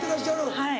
はい。